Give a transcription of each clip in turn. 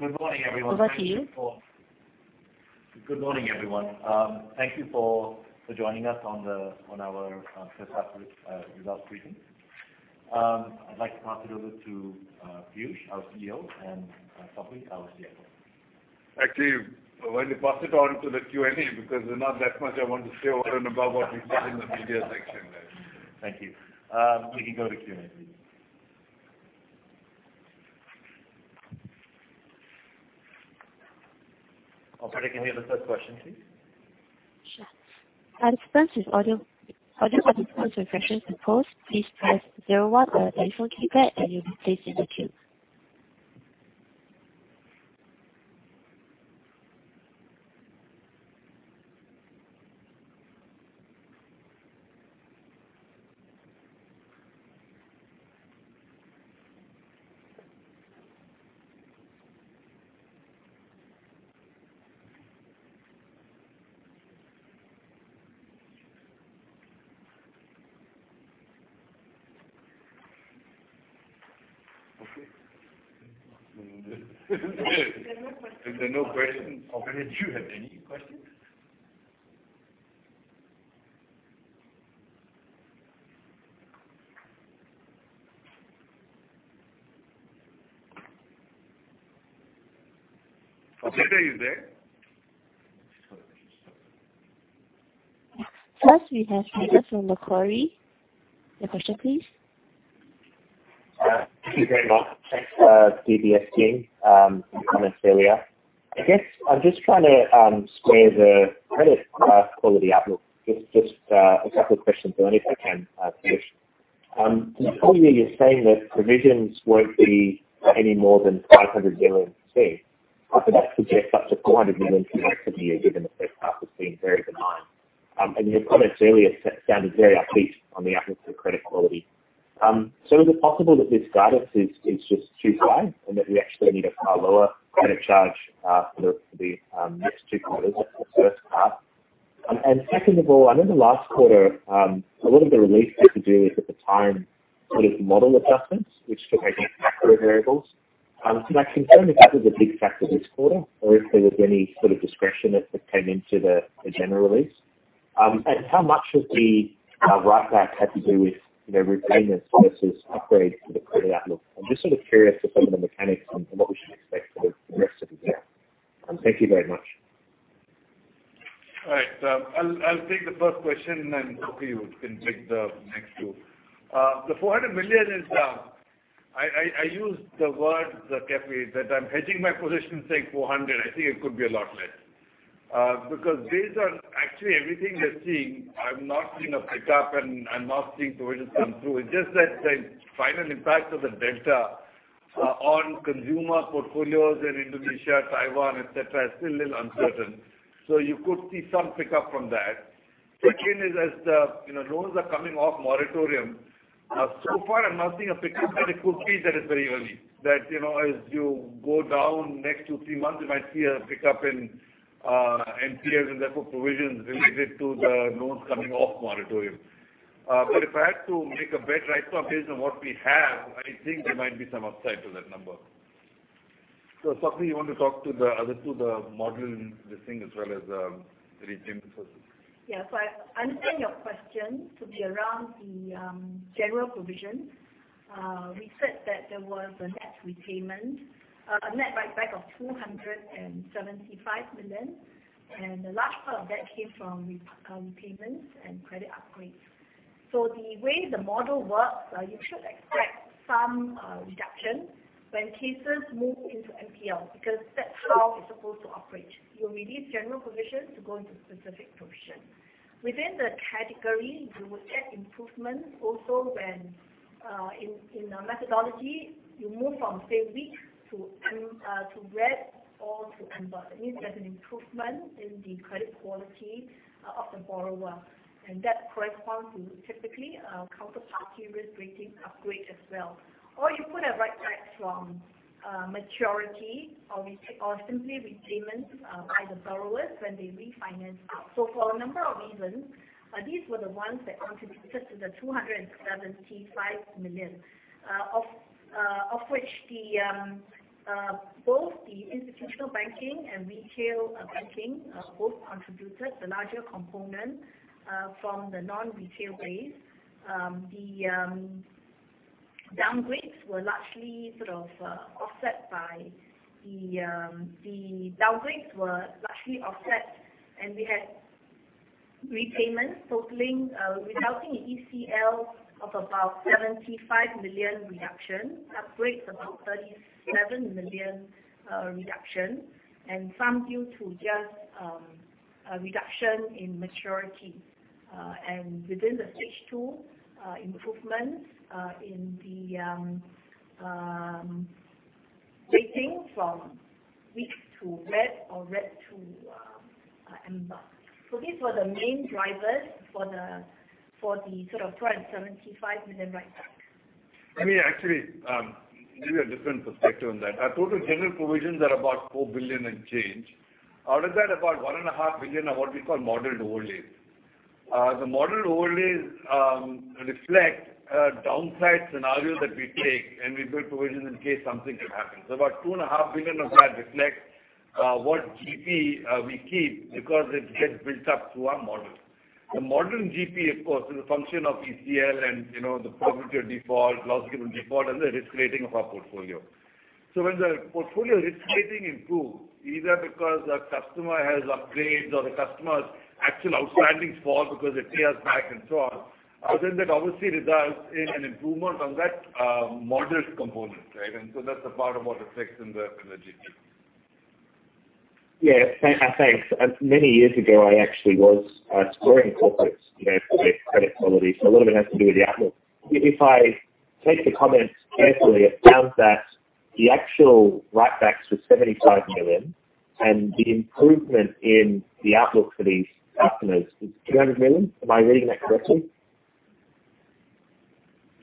Good morning, everyone. Over to you. Good morning, everyone. Thank you for joining us on our first half results briefing. I'd like to pass it over to Piyush, our CEO, and Sok Hui, our CFO. Actually, why don't you pass it on to the Q&A because there's not that much I want to say over and above what we said in the media section there. Thank you. We can go to Q&A, please. Operator, can we have the first question, please? Sure. Participants with audio conference refreshments and calls, please press zero one on your telephone keypad and you'll be placed in the queue. Okay. There are no questions. Operator, do you have any questions? Okay. Is Edna there? First, we have Jayden from Macquarie. Your question, please. Thank you very much. Thanks, DBS team, and comments earlier. I guess I am just trying to square the credit quality outlook. Just a couple of questions on it if I can, Piyush. Earlier you were saying that provisions will not be any more than 500 million. That suggests up to 400 million for the year, given the first half has been very benign. Your comments earlier sounded very upbeat on the outlook for credit quality. Is it possible that this guidance is just too high and that we actually need a far lower credit charge for the next two quarters than the first half? Second of all, I know the last quarter, a lot of the release had to do with, at the time, sort of model adjustments, which took out macro variables. My concern if that was a big factor this quarter or if there was any sort of discretion that came into the general release. How much of the write-back had to do with repayments versus upgrades to the credit outlook? I'm just sort of curious of some of the mechanics on what we should expect for the rest of the year. Thank you very much. All right. I'll take the first question. Sok Hui, you can take the next two. The 400 million is down. I used the words carefully that I'm hedging my position saying 400 million. I think it could be a lot less. Based on actually everything we're seeing, I'm not seeing a pickup and I'm not seeing provisions come through. It's just that the final impact of the Delta variant on consumer portfolios in Indonesia, Taiwan, et cetera, is still a little uncertain. You could see some pickup from that. Second is as the loans are coming off moratorium. So far, I'm not seeing a pickup but it could be that it's very early. That as you go down next two, three months, you might see a pickup in NPLs and therefore provisions related to the loans coming off moratorium. If I had to make a bet right now based on what we have, I think there might be some upside to that number. Sok Hui, you want to talk to the other two, the model and this thing as well as the repayment process. Yeah. I understand your question to be around the general provision. We said that there was a net write-back of 275 million, and the large part of that came from repayments and credit upgrades. The way the model works, you should expect some reduction when cases move into NPL because that's how it's supposed to operate. You release general provisions to go into specific provision. Within the category, you would check improvements also when, in our methodology, you move from, say, weak to red or to amber. That means there's an improvement in the credit quality of the borrower, and that corresponds to typically a counterparty risk rating upgrade as well. You could have write-backs from maturity or simply repayments by the borrowers when they refinance out. For a number of reasons, these were the ones that contributed to the 275 million, of which both the institutional banking and retail banking both contributed the larger component from the non-retail base. The downgrades were largely offset, and we had repayments totaling, without the ECL, of about 75 million reduction, upgrades about 37 million reduction, and some due to just a reduction in maturity. Within the stage two, improvements in the rating from weak to red or red to amber. These were the main drivers for the 275 million write-back. Let me actually give you a different perspective on that. Our total general provisions are about 4 billion and change. Out of that, about 1.5 billion are what we call modeled overlay. The model only reflects a downside scenario that we take, we build provisions in case something could happen. About 2.5 billion of that reflects what GP we keep because it gets built up through our model. The modeling GP, of course, is a function of ECL and the probability of default, loss given default, and the risk rating of our portfolio. When the portfolio risk rating improves, either because a customer has upgrades or the customer's actual outstandings fall because it clears back and so on, that obviously results in an improvement on that modeled component, right? That's the part of what reflects in the GP. Yes. Thanks. Many years ago, I actually was scoring corporates for their credit quality, so a lot of it has to do with the outlook. If I take the comments carefully, it sounds that the actual write backs were 75 million and the improvement in the outlook for these customers is 200 million. Am I reading that correctly?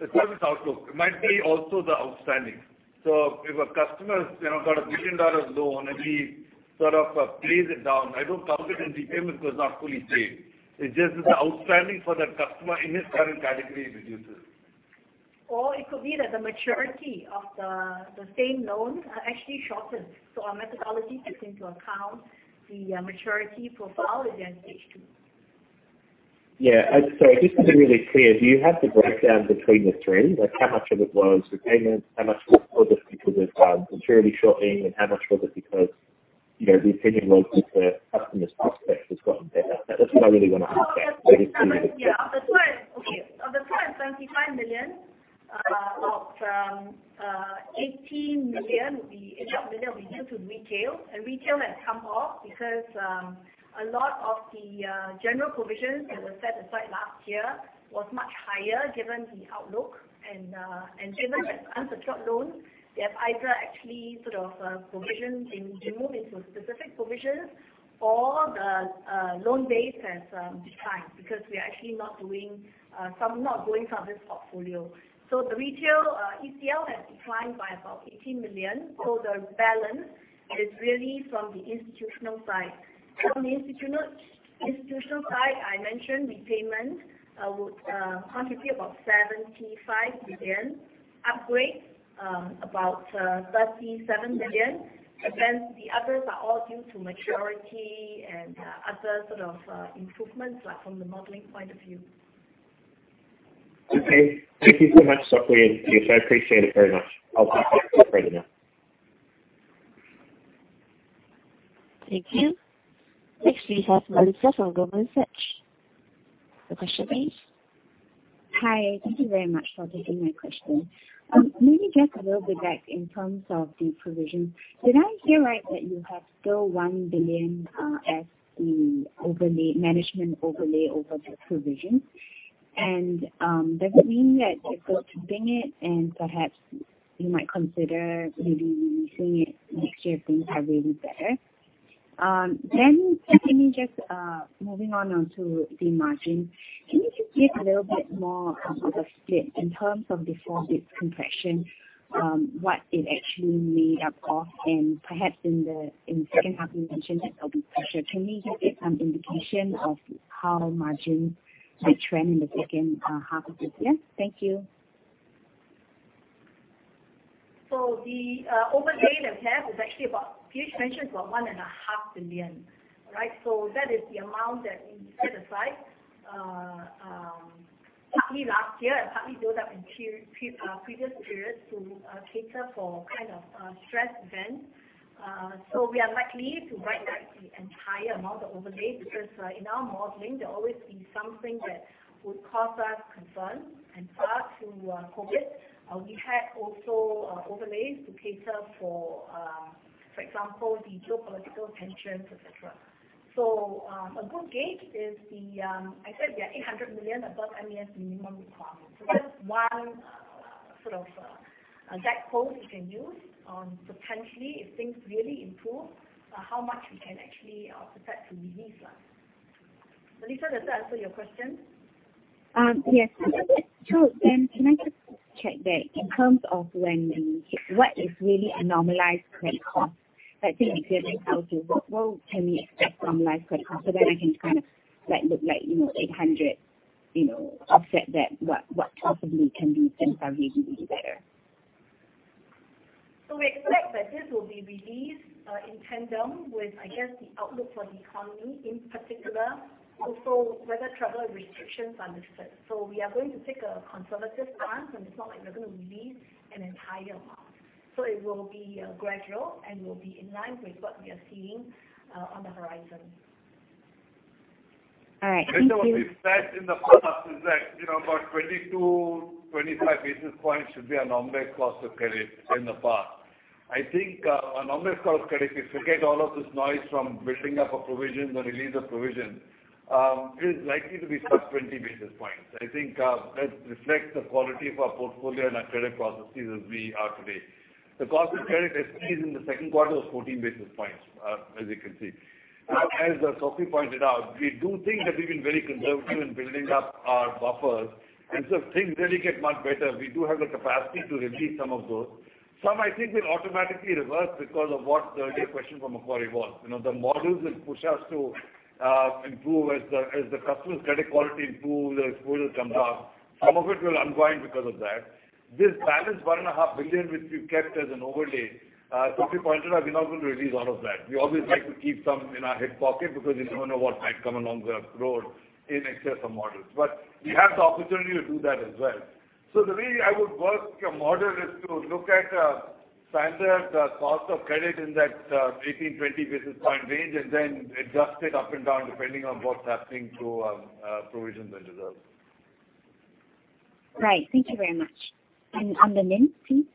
It covers outlook. It might be also the outstanding. If a customer's got a 1 billion dollar loan and he sort of pays it down, I don't count it in repayment because it's not fully paid. It's just the outstanding for that customer in his current category reduces. It could be that the maturity of the same loans are actually shortened. Our methodology takes into account the maturity profile within H2. Yeah. Sorry, just to be really clear, do you have the breakdown between the three? Like how much of it was repayments, how much was just because of maturity shortening, and how much was it because the opinion of the customer's prospects has gotten better? That's what I really want to understand. Yeah. Of the 275 million, about 18 million would be due to retail. Retail has come off because a lot of the general provisions that were set aside last year were much higher given the outlook. Given that unsecured loans, they have either actually sort of provisions being removed into specific provisions or the loan base has declined because we are actually not doing from this portfolio. The retail ECL has declined by about 18 million. The balance is really from the institutional side. From the institutional side, I mentioned repayment would contribute about 75 million, upgrade about 37 million. The others are all due to maturity and other sort of improvements from the modeling point of view. Okay. Thank you so much for clearing. I appreciate it very much. I'll pass back to Edna now. Thank you. Next we have Melissa from Goldman Sachs. Your question please. Hi. Thank you very much for taking my question. Maybe just a little bit back in terms of the provision. Did I hear right that you have still 1 billion as the management overlay over the provision? Does it mean that you're still keeping it and perhaps you might consider maybe releasing it next year if things are really better? Can you just, moving on onto the margin, can you just give a little bit more of the split in terms of the four bits compression, what it actually made up of, and perhaps in the second half you mentioned that there'll be pressure. Can you just give some indication of how margins might trend in the second half of this year? Thank you. The overlay that we have is actually about, Piyush mentioned, about 1.5 billion. That is the amount that we set aside, partly last year and partly built up in previous periods to cater for kind of stress events. We are likely to write back the entire amount of overlay because in our modeling, there will always be something that would cause us concern. Prior to COVID, we had also overlays to cater for example, the geopolitical tensions, et cetera. A good gauge is the, I said we are 800 million above MAS minimum requirements. That's one sort of a debt post we can use potentially if things really improve, how much we can actually or prepare to release. Melissa, does that answer your question? Yes. Can I just check back in terms of what is really a normalized credit cost? Like say if you had to tell us, what can we expect normalized credit cost? I can kind of look like 800 offset that what possibly can be spent if everything is better. We expect that this will be released in tandem with, I guess, the outlook for the economy in particular. Whether travel restrictions are lifted. We are going to take a conservative stance, and it's not like we're going to release an entire amount. It will be gradual and will be in line with what we are seeing on the horizon. All right. Thank you. Melissa, what we said in the past is that about 22 bps, 25 bps should be a normal cost of credit in the past. I think a normal cost of credit, if you get all of this noise from building up a provision, the release of provision. It is likely to be sub 20 bps. I think that reflects the quality of our portfolio and our credit processes as we are today. The cost of credit, especially in the second quarter, was 14 bps, as you can see. As Chng Sok Hui pointed out, we do think that we've been very conservative in building up our buffers. So if things really get much better, we do have the capacity to release some of those. Some, I think, will automatically reverse because of what the earlier question from Macquarie was. The models will push us to improve as the customer's credit quality improves, the exposure comes up. Some of it will unwind because of that. This balance, 1.5 billion, which we've kept as an overlay, Sok Hui pointed out, we're not going to release all of that. We always like to keep some in our hip pocket because you don't know what might come along the road in excess of models. We have the opportunity to do that as well. The way I would work a model is to look at standard cost of credit in that 18 bps, 20 bps range, and then adjust it up and down depending on what's happening to our provisions and reserves. Right. Thank you very much. On the NIM, please?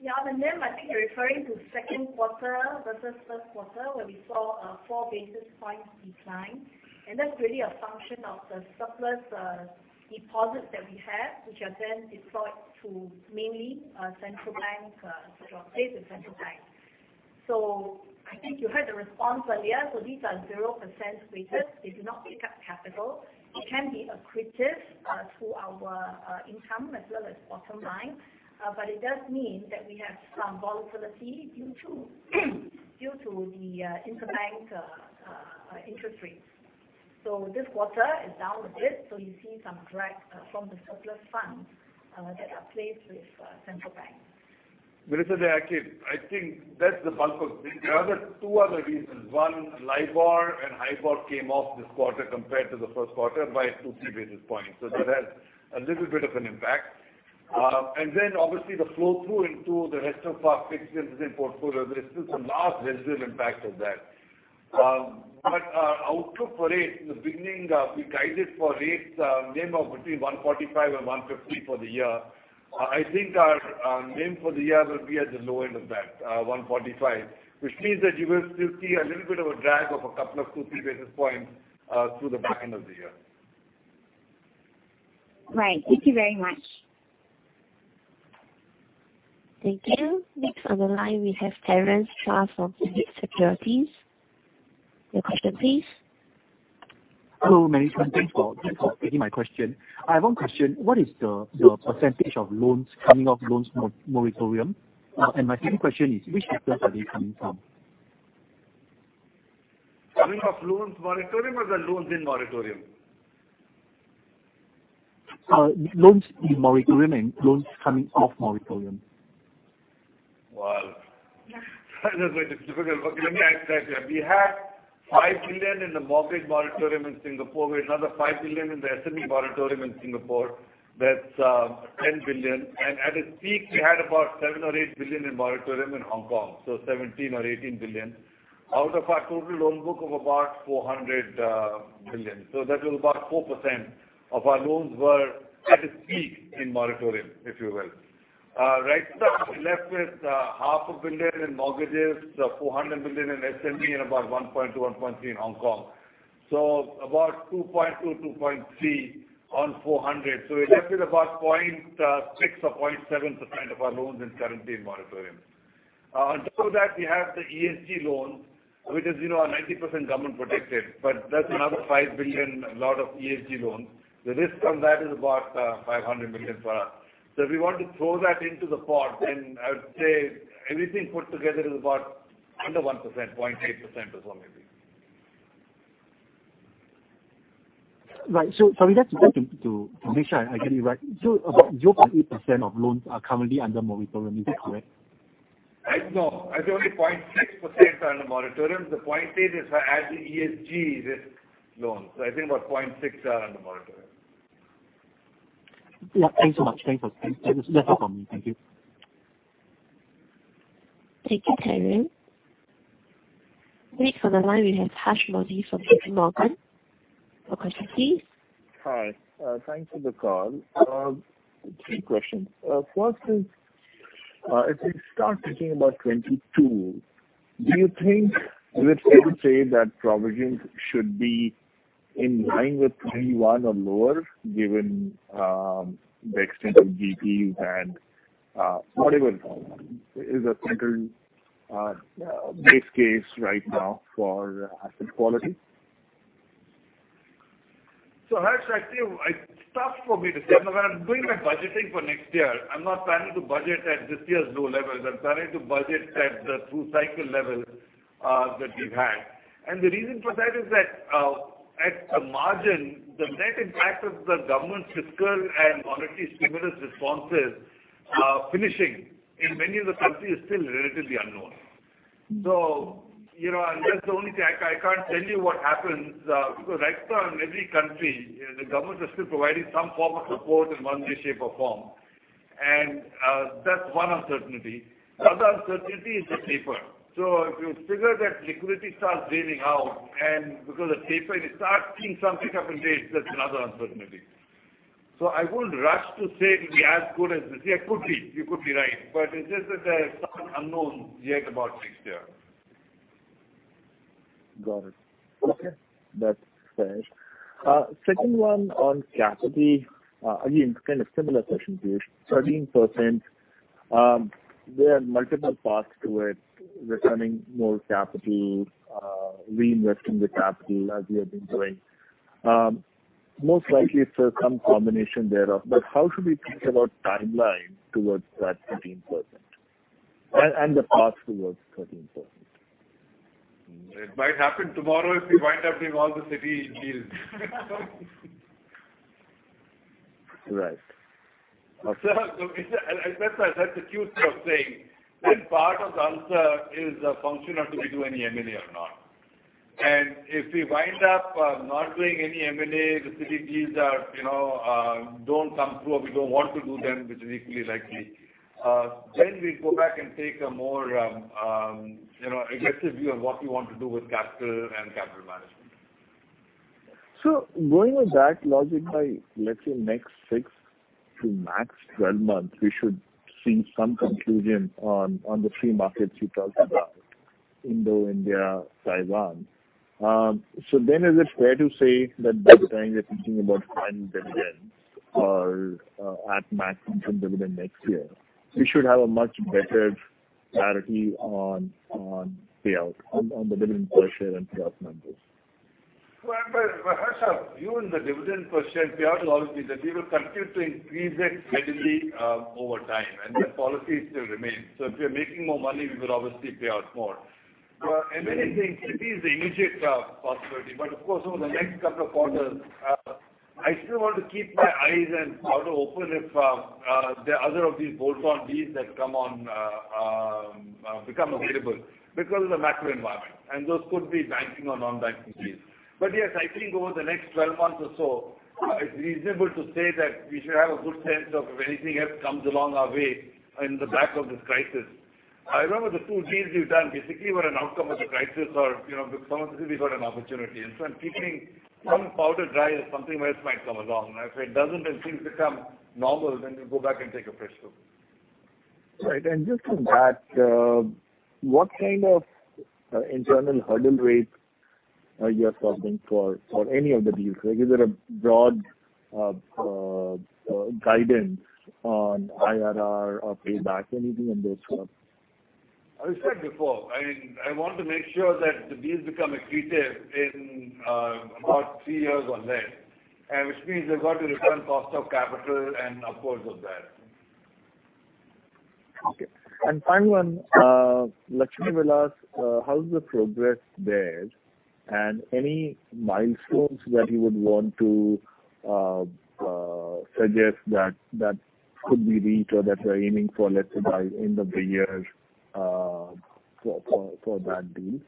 Yeah, on the NIM, I think you're referring to second quarter versus first quarter, where we saw a 4 bps decline. That's really a function of the surplus deposits that we have, which are then deployed to mainly central bank deposits with central banks. I think you heard the response earlier. These are 0% weighted. They do not eat up capital. It can be accretive to our income as well as bottom line. It does mean that we have some volatility due to the interbank interest rates. This quarter is down a bit. You see some drag from the surplus funds that are placed with central banks. Melissa, I think that's the bulk of it. There are two other reasons. One, LIBOR and IBOR came off this quarter compared to the first quarter by 2 bps, 3 bps. That has a little bit of an impact. Obviously the flow through into the rest of our fixed income portfolio, there is still some last residual impact of that. Our outlook for rates in the beginning, we guided for rates NIM of between 1.45% and 1.50% for the year. I think our NIM for the year will be at the lower end of that, 1.45%, which means that you will still see a little bit of a drag of a couple of 2 bps, 3 bps through the back end of the year. Right. Thank you very much. Thank you. Next on the line we have Terence Chua from Phillip Securities. Your question, please. Hello, management. Thanks for taking my question. I have one question. What is the % of loans coming off loans moratorium? My second question is which sectors are they coming from? Coming off loans moratorium or the loans in moratorium? Loans in moratorium and loans coming off moratorium. That is very difficult. Let me answer that. We have 5 billion in the mortgage moratorium in Singapore. We have another 5 billion in the SME moratorium in Singapore. That is 10 billion. At its peak, we had about 7 billion or 8 billion in moratorium in Hong Kong, 17 billion or 18 billion out of our total loan book of about 400 billion. That was about 4% of our loans were at its peak in moratorium, if you will. Right now, we are left with half a billion in mortgages, 400 billion in SME, and about 1.2 billion, 1.3 billion in Hong Kong. About 2.2 billion, 2.3 billion on 400 billion. We are left with about 0.6% or 0.7% of our loans is currently in moratorium. On top of that, we have the ESG-linked loan, which is our 90% government protected, that's another 5 billion, a lot of ESG-linked loans. The risk on that is about 500 million for us. If we want to throw that into the pot, I would say everything put together is about under 1%, 0.8% or so maybe. Right. Just to make sure I get it right. About 0.8% of loans are currently under moratorium. Is this correct? No. I said only 0.6% are under moratorium. The 0.8% is if I add the ESG-linked loans. I think about 0.6% are under moratorium. Yeah. Thanks so much. That's all from me. Thank you. Thank you, Terence. Next on the line we have Harsh Modi from JPMorgan. Your question please. Hi. Thanks for the call. Three questions. First is, if we start thinking about 2022, is it fair to say that provisions should be in line with 2021 or lower given the extent of GDP you've had? What even is a central base case right now for asset quality? Harsh, I think it's tough for me to say. When I'm doing my budgeting for next year, I'm not planning to budget at this year's low levels. I'm planning to budget at the through-cycle level that we've had. The reason for that is that at the margin, the net impact of the government's fiscal and monetary stimulus responses finishing in many of the countries is still relatively unknown. That's the only thing. I can't tell you what happens because right now in every country, the governments are still providing some form of support in one way, shape, or form. That's one uncertainty. The other uncertainty is the taper. If you figure that liquidity starts draining out and because of taper, you start seeing some pickup in rates, that's another uncertainty. I wouldn't rush to say it'll be as good as this year. It could be. You could be right. It's just that there are some unknowns yet about next year. Got it. Okay. That's fair. Second one on capital. Again, kind of similar question to you. 13%, there are multiple paths to it, returning more capital, reinvesting the capital as we have been doing. Most likely it's some combination thereof. How should we think about timeline towards that CET-1 and the path towards 13%? It might happen tomorrow if we wind up doing all the Citi deals. Right. Harsh, that's the cute way of saying one part of the answer is a function of do we do any M&A or not. If we wind up not doing any M&A, the Citi deals don't come through or we don't want to do them, which is equally likely, we'll go back and take a more aggressive view of what we want to do with capital and capital management. Going with that logic, let's say next six to max 12 months, we should see some conclusion on the three markets you talked about, Indo, India, Taiwan. Is it fair to say that by the time we are thinking about SGD 10 billion or at maximum dividend next year, we should have a much better clarity on payouts, on the dividend per share and payout numbers? Harsh Modi, view on the dividend per share payout will obviously that we will continue to increase it steadily over time, and that policy still remains. If we are making more money, we will obviously pay out more. M&A thing, Citi is the immediate possibility, but of course, over the next couple of quarters, I still want to keep my eyes and powder open if there are other of these bolt-on deals that become available because of the macro environment, and those could be banking or non-banking deals. Yes, I think over the next 12 months or so, it's reasonable to say that we should have a good sense of if anything else comes along our way in the back of this crisis. I remember the two deals we've done basically were an outcome of the crisis or because of the crisis we got an opportunity. I'm keeping some powder dry if something else might come along. If it doesn't and things become normal, then we'll go back and take a fresh look. Right. Just on that, what kind of internal hurdle rates are you assuming for any of the deals? Is there a broad guidance on IRR or payback, anything in those sort of. I said before, I want to make sure that the deals become accretive in about three years or less, and which means they've got to return cost of capital and upwards of that. Okay. Final one, Lakshmi Vilas, how's the progress there? Any milestones that you would want to suggest that could be reached or that you're aiming for, let's say, by end of the year for that deal?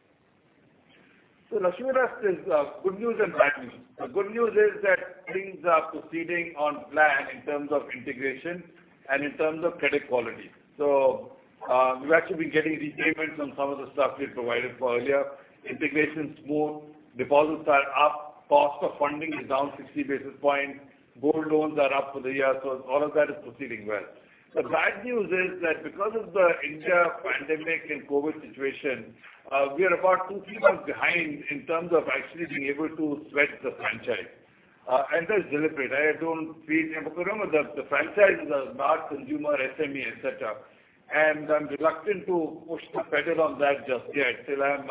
Lakshmi Vilas there's good news and bad news. The good news is that things are proceeding on plan in terms of integration and in terms of credit quality. We've actually been getting repayments on some of the stuff we had provided for earlier. Integration is smooth. Deposits are up. Cost of funding is down 60 bps. Gold loans are up for the year. All of that is proceeding well. The bad news is that because of the India pandemic and COVID situation, we are about two, three months behind in terms of actually being able to sweat the franchise. That's deliberate. I don't feel because remember, the franchise is a large consumer SME, et cetera, and I'm reluctant to push the pedal on that just yet till I'm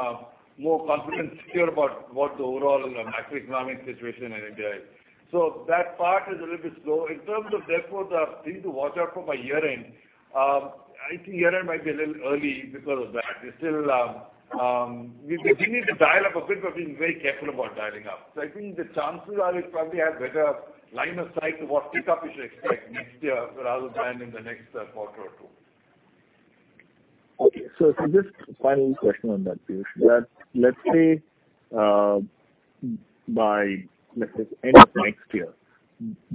more confident and secure about what the overall macroeconomic situation in India is. That part is a little bit slow. In terms of therefore the thing to watch out for by year-end, I think year-end might be a little early because of that. We need to dial up a bit, but being very careful about dialing up. I think the chances are we'll probably have better line of sight to what pickup we should expect next year rather than in the next quarter or two. Okay. Just final question on that, Piyush Gupta. That let's say by end of next year,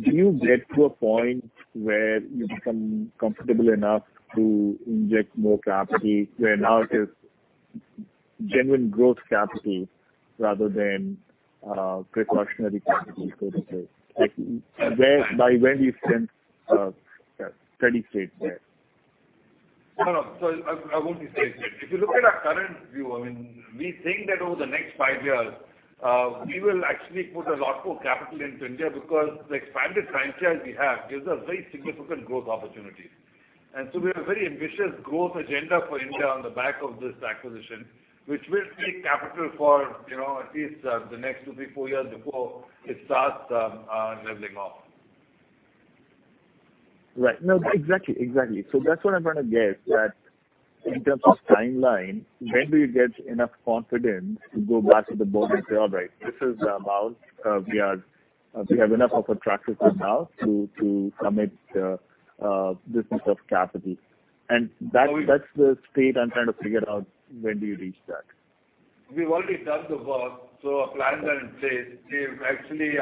do you get to a point where you become comfortable enough to inject more capital, where now it is genuine growth capital rather than precautionary capital, so to say? By when do you think steady state there? No. I won't be saying that. If you look at our current view, we think that over the next five years, we will actually put a lot more capital into India because the expanded franchise we have gives us very significant growth opportunities. We have a very ambitious growth agenda for India on the back of this acquisition, which will need capital for at least the next two, three, four years before it starts leveling off. Right. No, exactly. That's what I'm trying to gauge, that in terms of timeline, when do you get enough confidence to go back to the board and say, "All right, this is the amount. We have enough of a track record now to commit this much of capital." That's the state I'm trying to figure out, when do you reach that? We've already done the work. Our plans are in place. We actually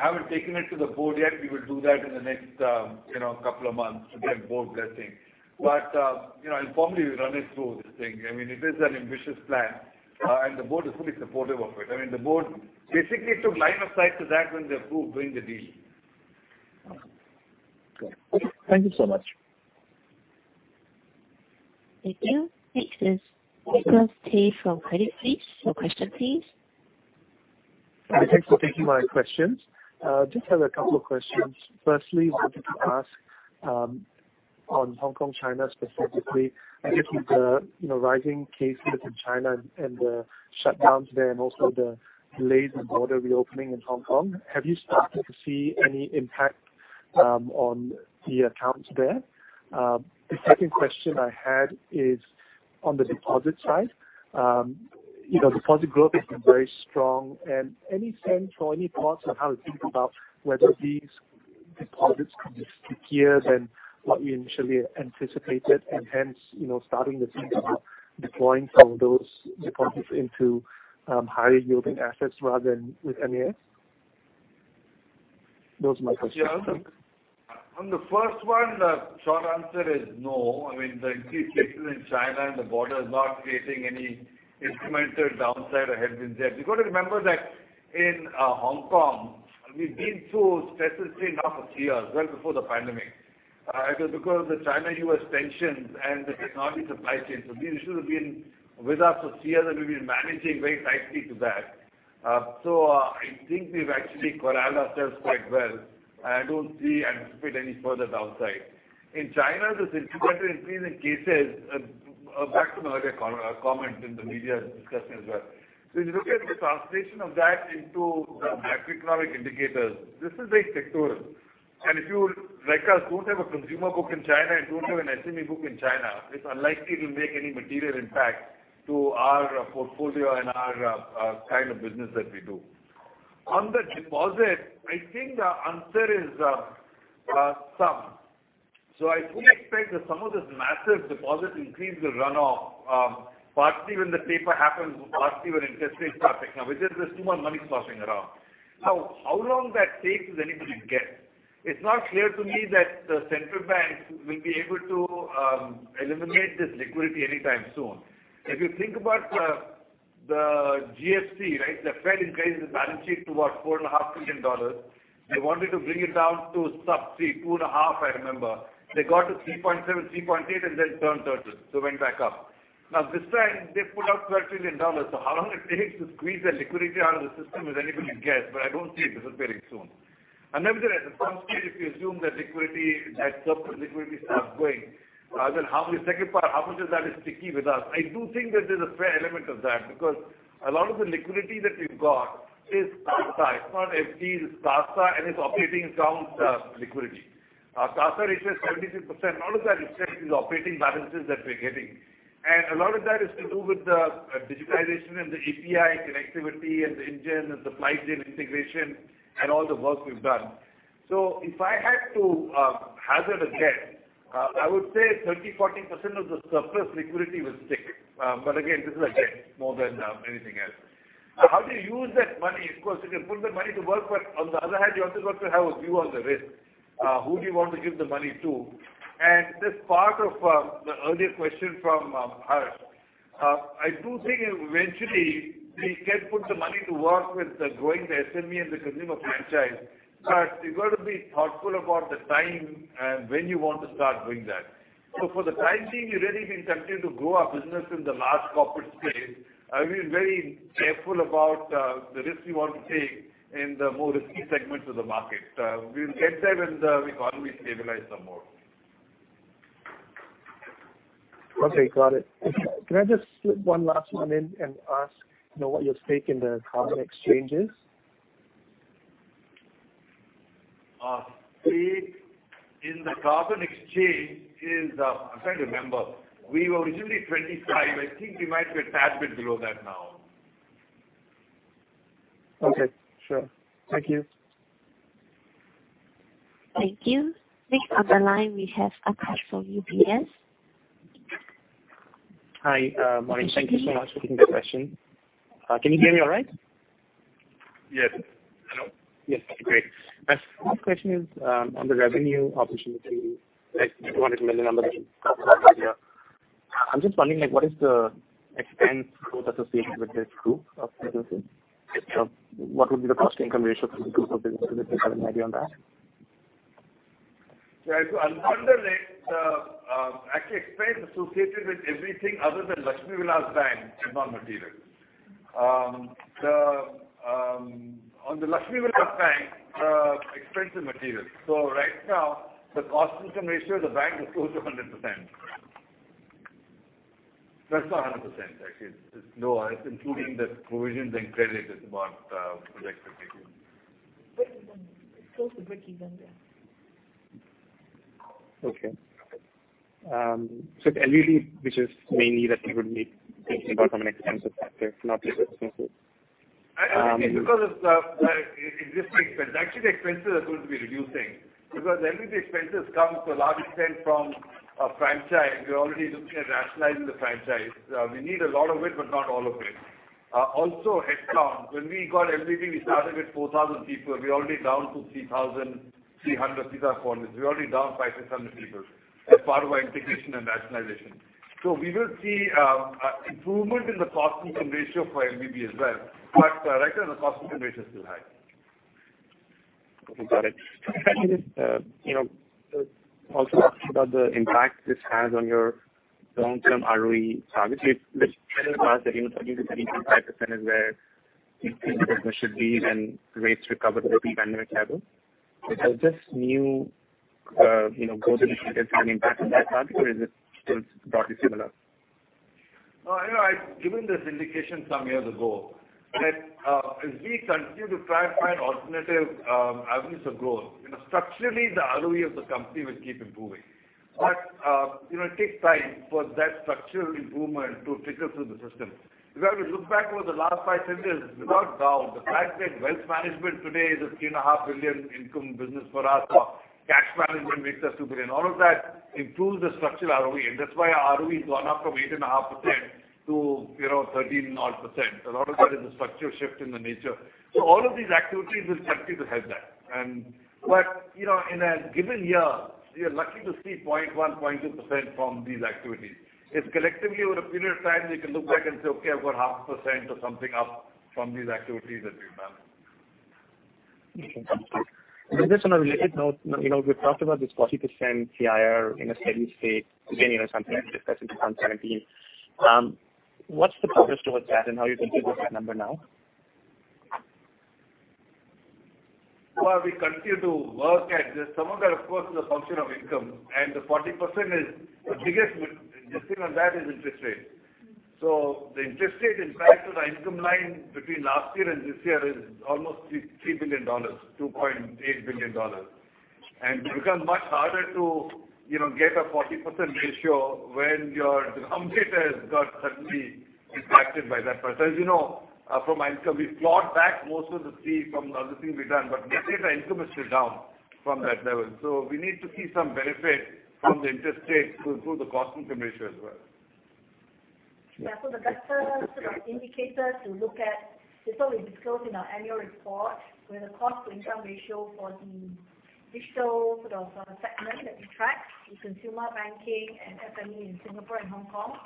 haven't taken it to the board yet. We will do that in the next couple of months to get board blessing. Informally, we've run it through this thing. It is an ambitious plan. The board is fully supportive of it. I mean, the board basically took line of sight to that when they approved doing the deal. Okay. Thank you so much. Thank you. Next is Nicholas Teh from Credit Suisse. Your question, please. Hi. Thanks for taking my questions. Just have a couple of questions. wanted to ask on Hong Kong, China specifically, I guess with the rising cases in China and the shutdowns there, and also the delayed border reopening in Hong Kong, have you started to see any impact on the accounts there? The second question I had is on the deposit side. Deposit growth has been very strong. any sense or any thoughts on how to think about whether these deposits could be stickier than what we initially anticipated, and hence, starting to think about deploying some of those deposits into higher yielding assets rather than with MAS? Those are my questions, thanks. On the first one, the short answer is no. I mean, the increased cases in China and the border is not creating any instrumental downside or headwind there. You've got to remember that in Hong Kong, we've been through stresses, say now for two years, well before the pandemic. It was because of the China-U.S. tensions and the economic supply chain. These issues have been with us for two years, and we've been managing very tightly to that. I think we've actually corralled ourselves quite well. I don't anticipate any further downside. In China, the significant increase in cases, back to my earlier comment in the media discussion as well, if you look at the translation of that into the macroeconomic indicators, this is very sectoral. If you, like us, don't have a consumer book in China and don't have an SME book in China, it's unlikely to make any material impact to our portfolio and our kind of business that we do. On the deposit, I think the answer is some. I fully expect that some of this massive deposit increase will run off, partly when the taper happens, partly when interest rates start to come up. It's just there's too much money sloshing around. How long that takes is anybody's guess. It's not clear to me that the central bank will be able to eliminate this liquidity anytime soon. If you think about the GFC, right? The Fed increased its balance sheet to what, $4.5 trillion. They wanted to bring it down to sub $2.5 trillion, I remember. They got to $3.7 trillion, $3.8 trillion, and then it turned turtle. It went back up. Now this time, they put out 12 trillion dollars. How long it takes to squeeze that liquidity out of the system is anybody's guess, but I don't see it disappearing soon. Nevertheless, at some stage, if you assume that surplus liquidity starts going, rather than how much, second part, how much of that is sticky with us? I do think that there's a fair element of that, because a lot of the liquidity that we've got is CASA. It's not FD, it's CASA and it's operating accounts liquidity. Our CASA ratio is 76%. A lot of that, in fact, is operating balances that we're getting. A lot of that is to do with the digitization and the API connectivity and the engine and the supply chain integration and all the work we've done. If I had to hazard a guess, I would say 30%, 40% of the surplus liquidity will stick. Again, this is a guess more than anything else. Now, how do you use that money? Of course, you can put the money to work, but on the other hand, you also got to have a view on the risk. Who do you want to give the money to? This part of the earlier question from Harsh. I do think eventually we can put the money to work with growing the SME and the consumer franchise, but you've got to be thoughtful about the time and when you want to start doing that. For the time being, we really been continuing to grow our business in the large corporate space. We've been very careful about the risk we want to take in the more risky segments of the market. We'll get there when the economy stabilize some more. Okay. Got it. Can I just slip one last one in and ask what your stake in the carbon exchange is? Our stake in the carbon exchange is, I'm trying to remember. We were originally 25%. I think we might be a tad bit below that now. Okay, sure. Thank you. Thank you. Next on the line, we have Aakash Rawat from UBS. Hi, morning. Thank you so much for taking the question. Can you hear me all right? Yes. Hello? Yes. Great. My first question is on the revenue opportunity, like 200 million number that you talked about earlier. I'm just wondering, what is the expense growth associated with this group of businesses? What would be the cost-income ratio for the group of businesses? Do you have any idea on that? Yeah. Under it, actually expense associated with everything other than Lakshmi Vilas Bank is non-material. On the Lakshmi Vilas Bank, expense is material. Right now, the cost-income ratio of the bank is close to 100%. That's not 100%, actually. It's lower. It's including the provisions and credit that's not projected. Close to breaking even, yeah. Okay. It's LVB which is mainly that would be the bottom end expense of that group, not this expensive. I think because of the existing expense. Actually, the expenses are going to be reducing because LVB expenses come to a large extent from a franchise. We're already looking at rationalizing the franchise. We need a lot of it, but not all of it. Also, head count. When we got LVB, we started with 4,000 people. We're already down to 3,300 people, approximately. We're already down 5, 600 people as part of our integration and rationalization. We will see improvement in the cost-income ratio for LVB as well. Right now, the cost-income ratio is still high. Got it. Can I just also ask you about the impact this has on your long-term ROE targets? You've said in the past that even 30%-35% is where you think ROE should be when rates recover to the pre-pandemic level. Has this new growth initiative had an impact on that target, or is it still broadly similar? I've given this indication some years ago that as we continue to try and find alternative avenues of growth, structurally, the ROE of the company will keep improving. It takes time for that structural improvement to trickle through the system. If you look back over the last five years, without doubt, the fact that wealth management today is a 3.5 billion income business for us, or cash management makes us 2 billion, all of that improves the structural ROE. That's why our ROE has gone up from 8.5% to 13-odd%. A lot of that is a structural shift in the nature. All of these activities will help you to have that. In a given year, we are lucky to see 0.1%, 0.2% from these activities. It's collectively over a period of time, we can look back and say, "Okay, I've got 0.5% or something up from these activities that we've done. Understood. Just on a related note, we've talked about this 40% CIR in a steady state, again something we discussed in 2017. What's the progress towards that and how you consider that number now? We continue to work at this. Some of that, of course, is a function of income, the 40% is the biggest thing on that is interest rate. The interest rate impact to the income line between last year and this year is almost $3 billion, $2.8 billion. It becomes much harder to get a 40% ratio when your denominator has got suddenly impacted by that. As you know, from income, we clawed back most of the fee from the other thing we've done, but nevertheless, our income is still down from that level. We need to see some benefit from the interest rate to improve the cost-income ratio as well. Yeah. The best indicator to look at, this one we've disclosed in our annual report, with the cost-income ratio for the digital segment that we track in consumer banking and SME in Singapore and Hong Kong.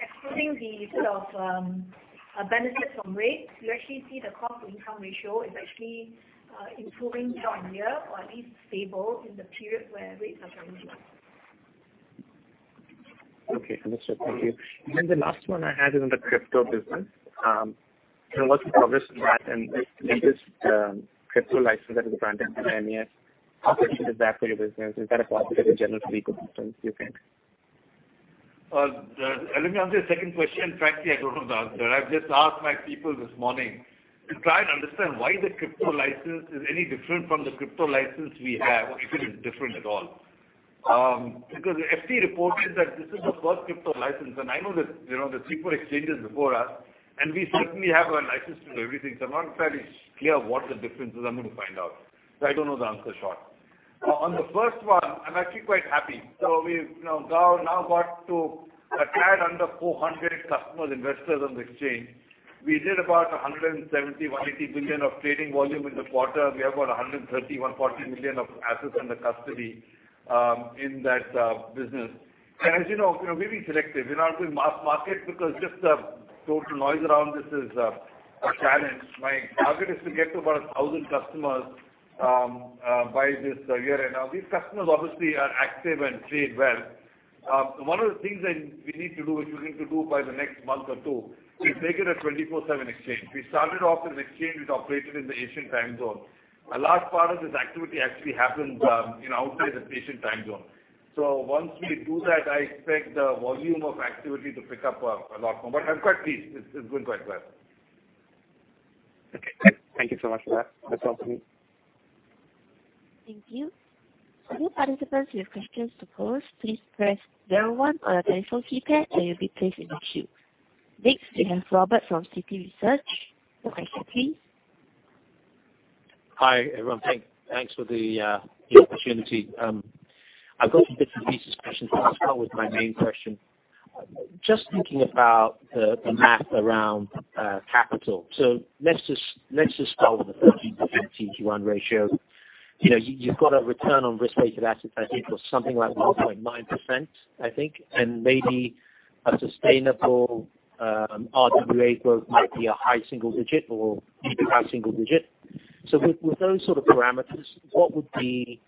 Excluding the benefits from rates, you actually see the cost-income ratio is actually improving year-on-year or at least stable in the period where rates are going down. Okay. Understood. Thank you. The last one I had is on the crypto business. What's the progress on that and the latest crypto license that has been granted in MAS? How crucial is that for your business? Is that a positive in general for the ecosystem, do you think? Let me answer your second question. Frankly, I don't know the answer. I've just asked my people this morning to try and understand why the crypto license is any different from the crypto license we have, or if it is different at all. Because the FT reported that this is the first crypto license, and I know there's three, four exchanges before us, and we certainly have a license to do everything. I'm not fairly clear what the difference is. I'm going to find out. I don't know the answer, short. On the first one, I'm actually quite happy. We've now got to a tad under 400 customer investors on the exchange. We did about $170 million-$180 million of trading volume in the quarter. We have about $130 million-$140 million of assets under custody in that business. As you know, we're very selective. We're not doing mass market because just the total noise around this is a challenge. My target is to get to about 1,000 customers by this year end. These customers obviously are active and trade well. One of the things that we need to do, which we need to do by the next month or two, is make it a 24/7 exchange. We started off as an exchange which operated in the Asian time zone. A large part of this activity actually happens outside the Asian time zone. Once we do that, I expect the volume of activity to pick up a lot more. I'm quite pleased. It's going quite well. Okay, great. Thank you so much for that. That's all from me. Thank you. For new participants who have questions to pose, please press zero one on your telephone keypad. You'll be placed in the queue. Next, we have Robert from Citi Research. Your question, please. Hi, everyone. Thanks for the opportunity. I've got a few different pieces of questions, but I'll start with my main question. Just thinking about the math around capital. Let's just start with the 13% CET1 ratio. You've got a return on risk-weighted assets, I think, was something like 0.9%, I think, and maybe a sustainable RWA growth might be a high single digit or maybe high single digit. With those sort of parameters, what would be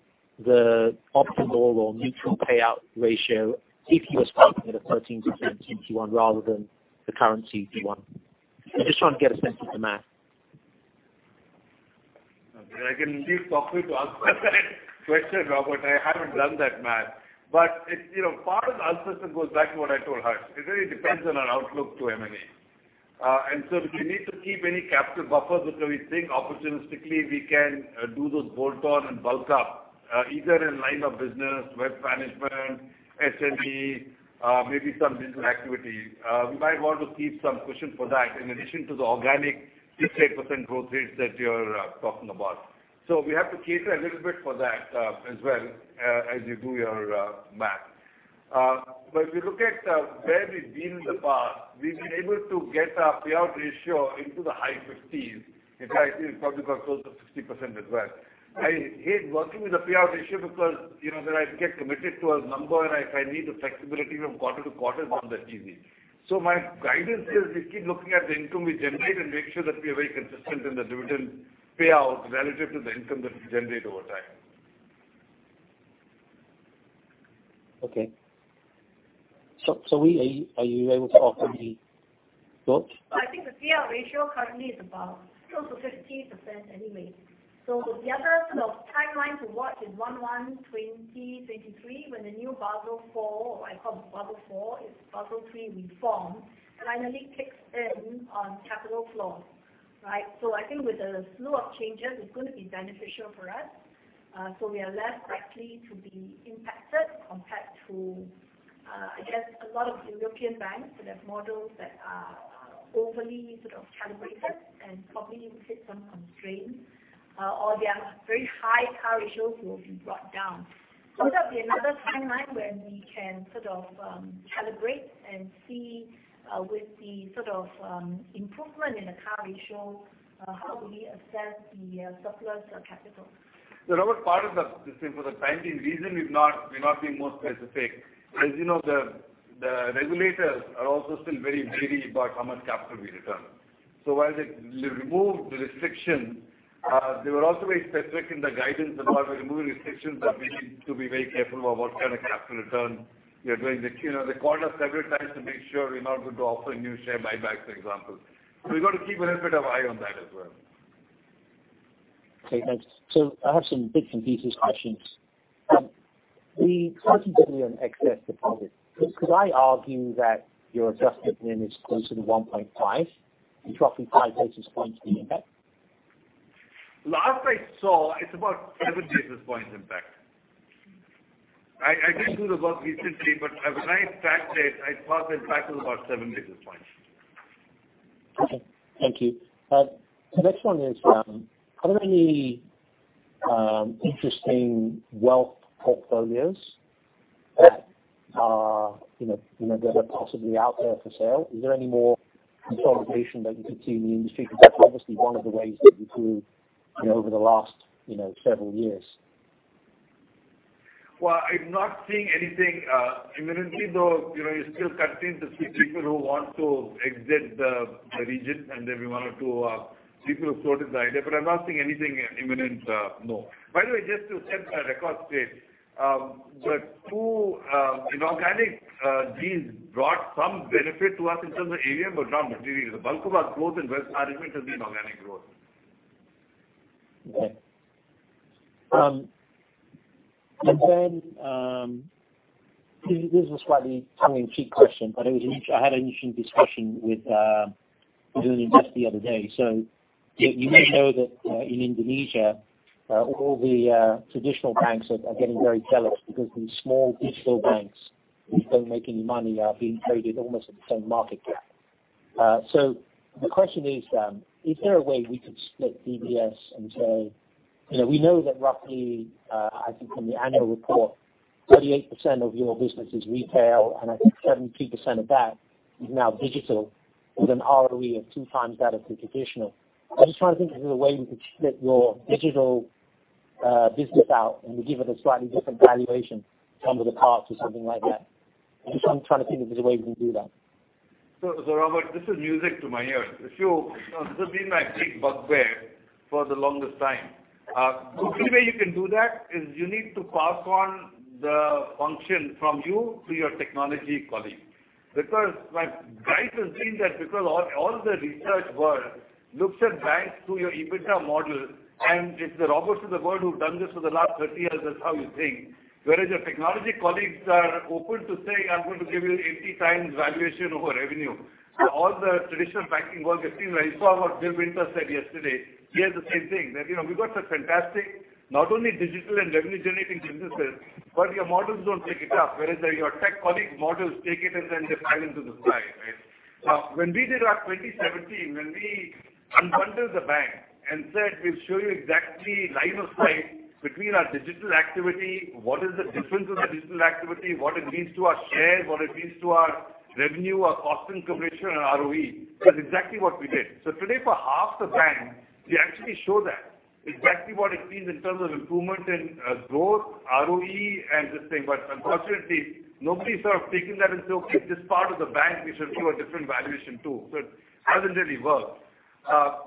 the optimal or neutral payout ratio if you were starting with a 13% CET1 rather than the current CET1? I'm just trying to get a sense of the math. I can leave Sok Hui Chng to answer that question, Robert, I haven't done that math. Part of the answer goes back to what I told Harsh Modi. It really depends on our outlook to M&A. Do we need to keep any capital buffers if we think opportunistically we can do those bolt-on and bulk up, either in line of business, wealth management, SME, maybe some digital activity. We might want to keep some cushion for that in addition to the organic 6%, 8% growth rates that you're talking about. We have to cater a little bit for that as well as you do your math. If you look at where we've been in the past, we've been able to get our payout ratio into the high 50%. In fact, I think it probably got close to 60% as well. I hate working with a payout ratio because then I get committed to a number, and if I need the flexibility from quarter to quarter, it's not that easy. My guidance is we keep looking at the income we generate and make sure that we are very consistent in the dividend payout relative to the income that we generate over time. Okay.Hui, Are you able to offer the thoughts? I think the CAR ratio currently is about close to 50% anyway. The other sort of timeline to watch is 01/01/2023, when the new Basel IV, or Basel I call it Basel IV, it's Basel III reformed, finally kicks in on capital floors. I think with a slew of changes, it's going to be beneficial for us. We are less likely to be impacted compared to, I guess, a lot of European banks that have models that are overly sort of calibrated and probably would hit some constraints, or their very high CAR ratios will be brought down. That will be another timeline where we can sort of calibrate and see, with the sort of improvement in the CAR ratio, how do we assess the surplus capital? Robert, part of the, just say for the timing reason, we've not been more specific. As you know, the regulators are also still very guarded about how much capital we return. While they removed the restriction, they were also very specific in the guidance about removing restrictions that we need to be very careful about what kind of capital return we are doing. They called us several times to make sure we're not going to offer a new share buyback, for example. We've got to keep a little bit of eye on that as well. Okay, thanks. I have some bits and pieces questions. The SGD 1 billion excess deposit. Could I argue that your adjusted NIM is closer to 1.5% and dropping 5 bps is the impact? Last I saw, it's about 7 bps impact. I didn't do the work recently, but when I backtest, I thought the impact was about 7 bps. Okay. Thank you. The next one is, are there any interesting wealth portfolios that are possibly out there for sale? Is there any more consolidation that you could see in the industry? That's obviously one of the ways that you grew over the last several years. Well, I'm not seeing anything imminently, though you still continue to see people who want to exit the region and every one or two people who floated the idea. I'm not seeing anything imminent, no. By the way, just to set the record straight, the two inorganic deals brought some benefit to us in terms of AUM, but not material. The bulk of our growth in wealth management has been organic growth. Okay. Then, this is a slightly tongue-in-cheek question, but I had an interesting discussion with, during Investor the other day. You may know that in Indonesia, all the traditional banks are getting very jealous because these small digital banks, which don't make any money, are being traded almost at the same market cap. The question is there a way we could split DBS and say, we know that roughly, I think from the annual report, 38% of your business is retail, and I think 72% of that is now digital with an ROE of 2x that of the traditional. I'm just trying to think if there's a way we could split your digital business out and we give it a slightly different valuation from the parts or something like that. I'm just trying to think if there's a way we can do that. Robert, this is music to my ears. This has been my big bugbear for the longest time. The only way you can do that is you need to pass on the function from you to your technology colleague. Life has been that because all the research world looks at banks through your EBITDA model, and it's the Roberts of the world who've done this for the last 30 years, that's how you think. Your technology colleagues are open to saying, "I'm going to give you 80x valuation over revenue." All the traditional banking world has seen, where you saw what Bill Winters said yesterday, he has the same thing that, we've got such fantastic not only digital and revenue-generating businesses, but your models don't pick it up, whereas your tech colleagues' models take it and then they fly into the sky, right? When we did our 2017, when we unbundled the bank and said, "We'll show you exactly line of sight between our digital activity, what is the difference of the digital activity, what it means to our shares, what it means to our revenue, our cost-income ratio and our ROE," that's exactly what we did. Today, for half the bank, we actually show that. Exactly what it means in terms of improvement in growth, ROE, and this thing. Unfortunately, nobody's sort of taken that and said, "Okay, this part of the bank, we should do a different valuation too." It hasn't really worked.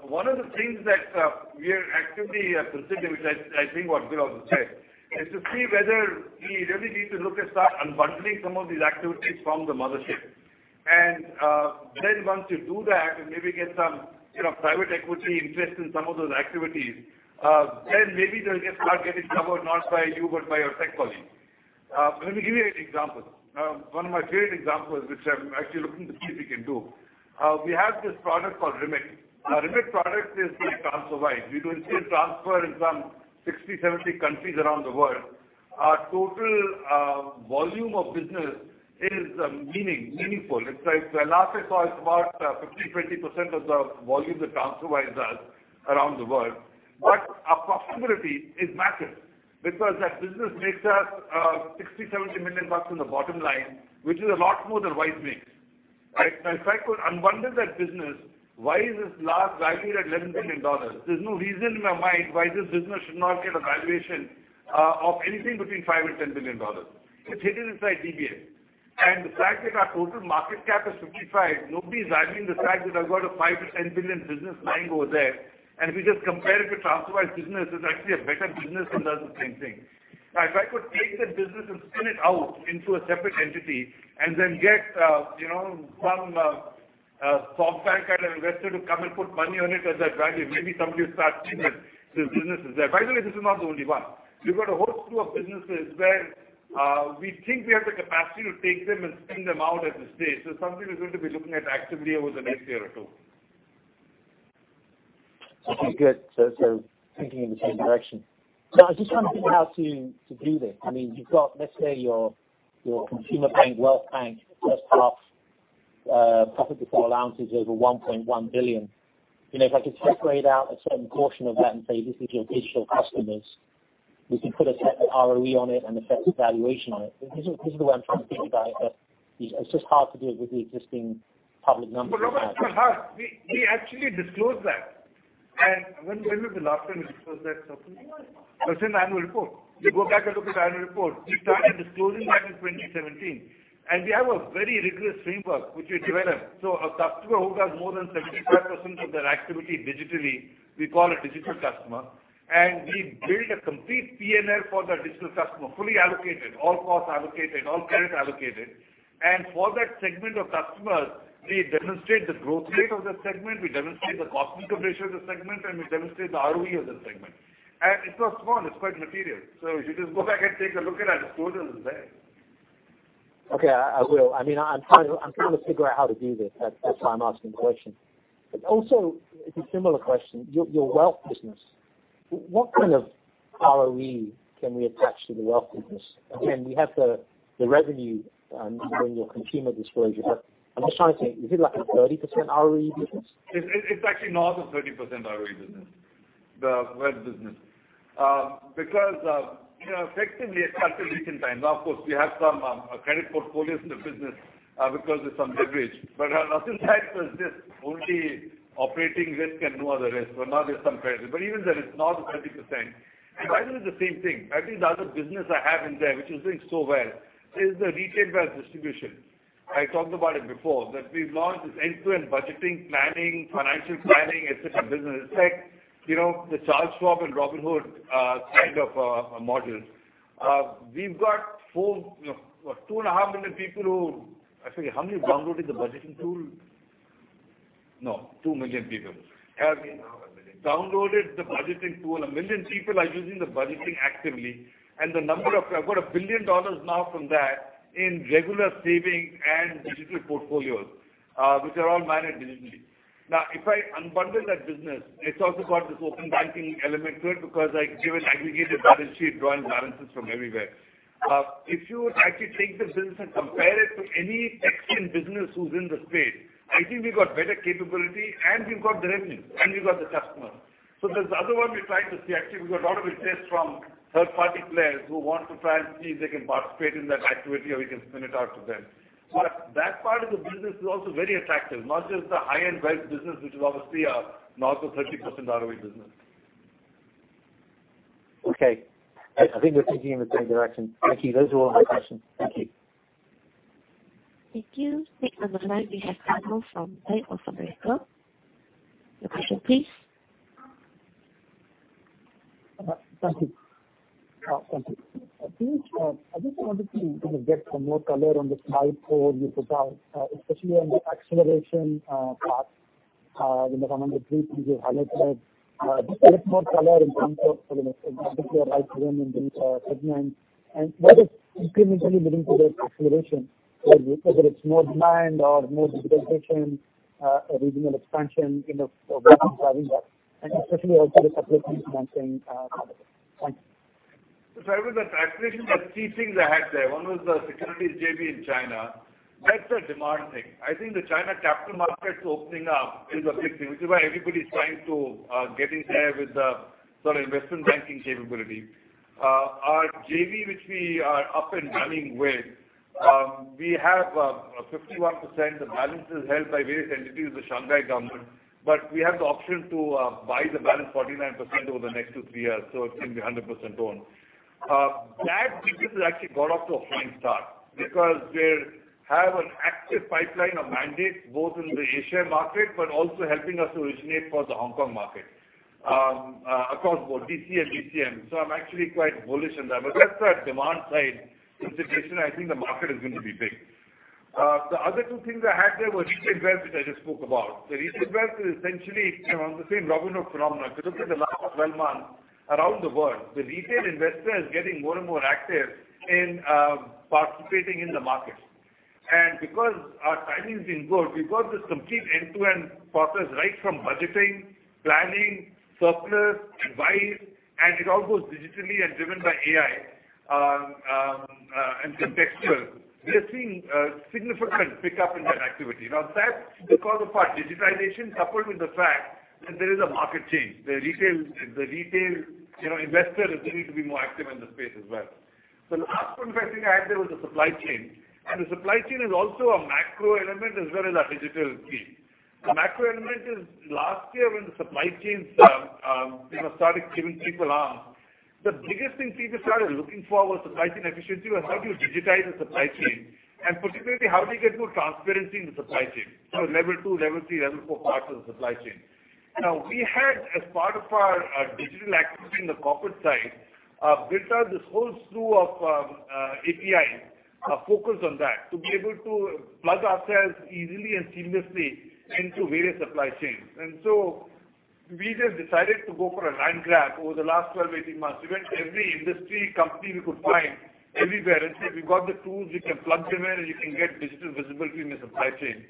One of the things that we are actively considering, which I think what Bill also said, is to see whether we really need to look at start unbundling some of these activities from the mothership. Then once you do that and maybe get some private equity interest in some of those activities, then maybe they will get start getting covered not by you, but by your tech colleague. Let me give you an example. One of my favorite examples, which I am actually looking to see if we can do. We have this product called Remit. Our Remit product is like TransferWise. We do instant transfer in some 60, 70 countries around the world. Our total volume of business is meaningful. It is like the last I saw, it is about 15%-20% of the volume that TransferWise does around the world. Our profitability is massive because that business makes us 60 million-70 million bucks in the bottom line, which is a lot more than Wise makes, right? If I could unbundle that business, why is this large valued at 11 million dollars? There's no reason in my mind why this business should not get a valuation of anything between 5 billion and 10 billion dollars. It's hidden inside DBS. And the fact that our total market cap is 55 billion, nobody's arguing the fact that I've got a 5 billion to 10 billion business lying over there. If you just compare it to TransferWise business, it's actually a better business and does the same thing. If I could take that business and spin it out into a separate entity and then get some SoftBank kind of investor to come and put money on it at that value, maybe somebody would start seeing that this business is there. By the way, this is not the only one. We've got a host of businesses where we think we have the capacity to take them and spin them out at this stage.It's something we're going to be looking at actively over the next year or two. Okay, good. Thinking in the same direction. Now, I was just trying to figure out how to do this. You've got, let's say, your consumer bank, wealth bank, first half profit before allowance is over 1.1 billion. If I could separate out a certain portion of that and say, this is your digital customers, we can put a separate ROE on it and a separate valuation on it. This is the way I'm trying to think about it. It's just hard to do it with the existing public numbers. Robert, it's not hard. We actually disclosed that. When was the last time we disclosed that, Tan Su Shan? Annual report. It was in annual report. You go back and look at the annual report. We started disclosing that in 2017, we have a very rigorous framework which we developed. A customer who does more than 75% of their activity digitally, we call a digital customer, and we build a complete P&L for that digital customer, fully allocated, all costs allocated, all credit allocated. For that segment of customers, we demonstrate the growth rate of that segment, we demonstrate the cost-income ratio of the segment, and we demonstrate the ROE of that segment. It's not small. It's quite material. If you just go back and take a look at our disclosures, it's there. Okay, I will. I'm trying to figure out how to do this. That's why I'm asking the question. Also, it's a similar question. Your wealth business, what kind of ROE can we attach to the wealth business? Again, we have the revenue in your consumer disclosure, I'm just trying to think, is it like a 30% ROE business? It's actually north of 30% ROE business, the wealth business. Effectively it's counter risk in times. Of course, we have some credit portfolios in the business because there's some leverage. Until that, it was just only operating risk and no other risk. Well, now there's some credit, but even then it's north of 30%. By the way, the same thing. I think the other business I have in there, which is doing so well, is the retail wealth distribution. I talked about it before, that we've launched this end-to-end budgeting planning, financial planning, et cetera, business. It's like The Charles Schwab and Robinhood kind of a model. We've got 2.5 million people who Actually, how many downloaded the budgeting tool? No, 2 million people have downloaded the budgeting tool, and 1 million people are using the budgeting actively. I've got 1 billion dollars now from that in regular savings and digital portfolios, which are all managed digitally. If I unbundle that business, it's also got this open banking element to it because I give an aggregated balance sheet drawing balances from everywhere. If you actually take that business and compare it to any fintech business who's in the space, I think we've got better capability and we've got the revenue, and we've got the customers. That's the other one we're trying to see. Actually, we've got a lot of interest from third-party players who want to try and see if they can participate in that activity, or we can spin it out to them. That part of the business is also very attractive, not just the high-end wealth business, which is obviously a north of 30% ROE business. I think we're thinking in the same direction. Thank you. Those are all my questions. Thank you. Thank you. Next on the line we have Anand Swaminathan from Bank of America. Your question, please. Thank you. I just wanted to get some more color on the slide four you put out, especially on the acceleration path, the number one and three things you highlighted. Just a bit more color in terms of the particular life within these segments and what is incrementally leading to that acceleration, whether it's more demand or more digitalization, regional expansion, what is driving that? Especially also the supply chain financing product. Thanks. I was at acceleration, there are three things I had there. One was the securities JV in China. That's a demand thing. I think the China capital markets opening up is a big thing, which is why everybody's trying to get in there with the sort of investment banking capability. Our JV, which we are up and running with, we have 51% the balances held by various entities, the Shanghai government. We have the option to buy the balance 49% over the next two, three years, so it can be 100% owned. That business has actually got off to a fine start because they have an active pipeline of mandates both in the Asia market, but also helping us to originate for the Hong Kong market across board, DC and DCM. I'm actually quite bullish on that. That's the demand side consideration. I think the market is going to be big. The other two things I had there were retail wealth, which I just spoke about. The retail wealth is essentially around the same Robinhood phenomena. If you look at the last 12 months around the world, the retail investor is getting more and more active in participating in the market. Because our timing's been good, we've got this complete end-to-end process right from budgeting, planning, surplus, advice, and it all goes digitally and driven by AI and contextual. We are seeing a significant pickup in that activity. Now that's because of our digitalization coupled with the fact that there is a market change. The retail investor is going to be more active in the space as well. The last one, I think I had there was the supply chain. The supply chain is also a macro element as well as a digital piece. The macro element is last year when the supply chains started giving people arms. The biggest thing people started looking for was supply chain efficiency and how do you digitize the supply chain, and particularly how do you get more transparency in the supply chain. Level II, level III, level IV parts of the supply chain. Now we had, as part of our digital activity in the corporate side, built out this whole slew of APIs focused on that to be able to plug ourselves easily and seamlessly into various supply chains. We just decided to go for a land grab over the last 12, 18 months. We went to every industry, company we could find everywhere and said, "We've got the tools. We can plug them in, and you can get digital visibility in the supply chain."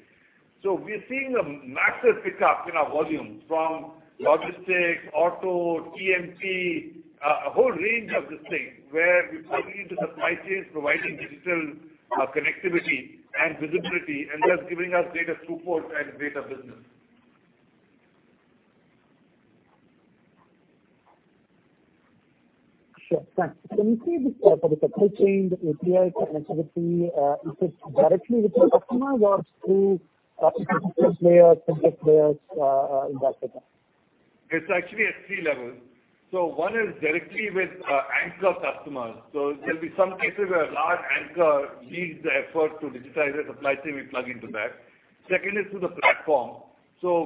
We're seeing a massive pickup in our volume from logistics, auto, TMT, a whole range of this thing where we plug into the supply chains, providing digital connectivity and visibility, and thus giving us greater throughput and greater business. Sure. Thanks. When you say this part of the supply chain, the API connectivity, is this directly with your customers or through players in that space? It's actually at three levels. One is directly with anchor customers. There'll be some cases where a large anchor leads the effort to digitize their supply chain. We plug into that. Two is through the platform.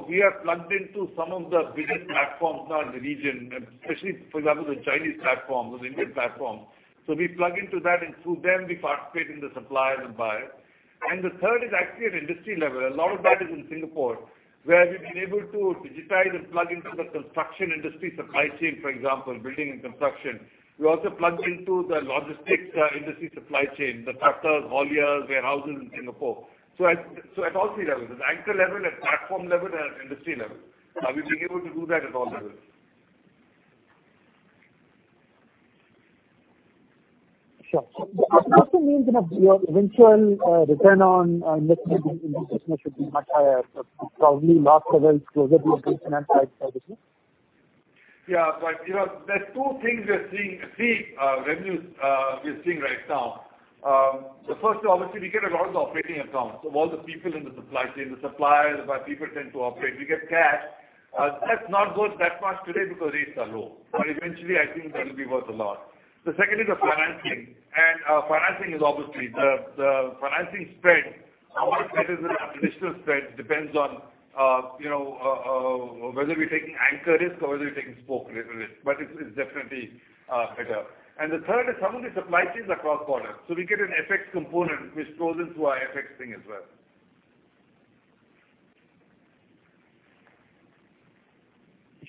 We are plugged into some of the biggest platforms now in the region, especially, for example, the Chinese platforms or the Indian platforms. We plug into that, and through them, we participate in the suppliers and buyers. The three is actually at industry level. A lot of that is in Singapore, where we've been able to digitize and plug into the construction industry supply chain, for example, building and construction. We also plugged into the logistics industry supply chain, the truckers, hauliers, warehouses in Singapore. At all three levels, at anchor level, at platform level, and at industry level. We've been able to do that at all levels. Sure. That also means your eventual return on net interest income should be much higher, so probably last level closer to your pre-pandemic levels. Yeah. There are two things we are seeing, three revenues we are seeing right now. The first, obviously, we get a lot of the operating accounts. All the people in the supply chain, the suppliers, the buyer people tend to operate. We get cash. That's not worth that much today because rates are low. Eventually, I think that'll be worth a lot. The second is the financing. Financing is obviously the financing spread. A lot of that is in our traditional spread, depends on whether we're taking anchor risk or whether we're taking spoke risk with it, but it's definitely better. The third is some of the supply chains are cross-border. We get an FX component which flows into our FX thing as well.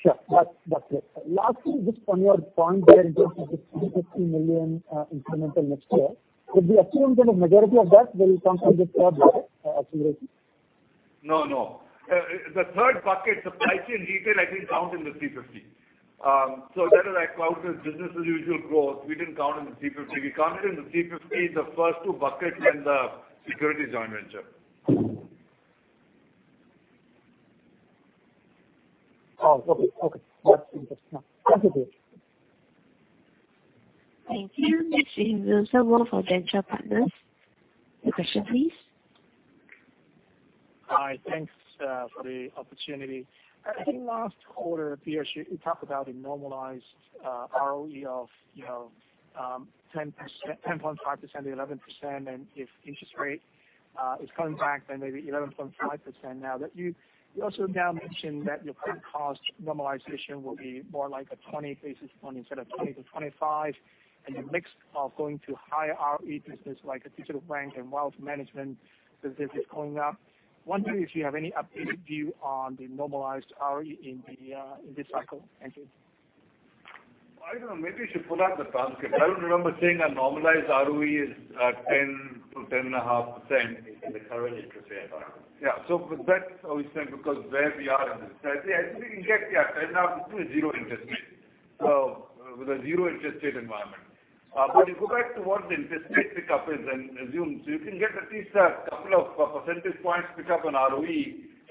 Sure. That's it. Lastly, just on your point there in terms of the 350 million incremental next year, would we assume sort of majority of that will come from this third bucket, acceleration? No. The third bucket, supply chain detail, I didn't count in the 350 million. That is like cloud business-as-usual growth. We didn't count it in the 350 million. We counted in the 350 million the first two buckets and the securities joint venture. Oh, okay. That's interesting. Thank you. Thank you. Next we have Wilson Wong from Janchor Partners. Your question, please. Hi. Thanks for the opportunity. I think last quarter, Piyush, you talked about a normalized ROE of 10.5%-11%, and if interest rate is coming back, then maybe 11.5%. You also now mentioned that your cost normalization will be more like a 20 bps instead of 20 bps to 25 bps, and your mix of going to higher ROE business, like the digital bank and wealth management business is going up. Wondering if you have any updated view on the normalized ROE in this cycle. Thank you. I don't know. Maybe you should pull out the transcript. I don't remember saying a normalized ROE is 10%-10.5%. In the current interest rate environment. Yeah. For that, obviously, because where we are in this. I think we can get, yeah, 10.5% with a zero interest rate. With a zero interest rate environment. If you go back to what the interest rate pickup is and assume, so you can get at least a couple of percentage points pickup on ROE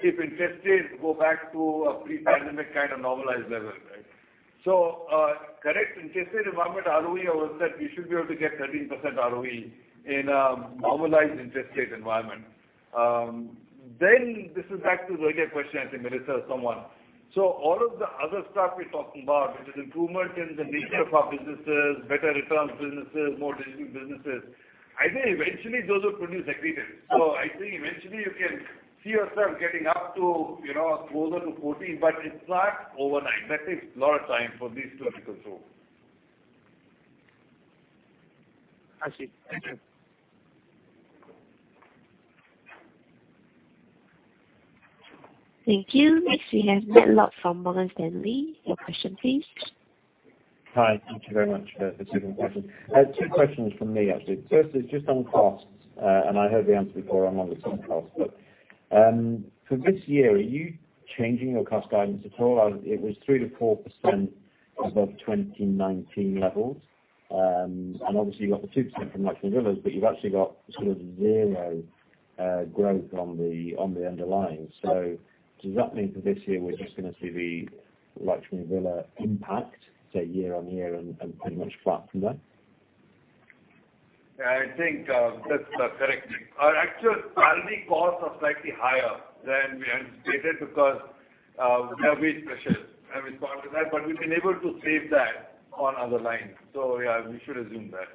if interest rates go back to a pre-pandemic kind of normalized level, right? Correct, interest rate environment ROE, I would've said we should be able to get 13% ROE in a normalized interest rate environment. This is back to the earlier question, I think Melissa or someone. All of the other stuff we're talking about, which is improvements in the nature of our businesses, better returns businesses, more digital businesses, I think eventually those will produce aggregates. I think eventually you can see yourself getting up to closer to 14%, but it's not overnight. That takes a lot of time for these to come through. I see. Thank you. Thank you. Next, we have Nick Lord from Morgan Stanley. Your question please. Hi. Thank you very much for taking the question. Two questions from me, actually. First is just on costs, and I heard the answer before on one of the costs, but for this year, are you changing your cost guidance at all? It was 3%-4% above 2019 levels. Obviously you got the 2% from Lakshmi Vilas, but you've actually got sort of zero growth on the underlying. Does that mean for this year we're just going to see the Lakshmi Vilas impact, say, year-on-year and pretty much flat from there? I think that's correct. Our actual funding costs are slightly higher than we anticipated because we have rate pressures and we've responded to that, but we've been able to save that on other lines. Yeah, we should have zoomed that.